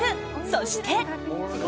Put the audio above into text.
そして。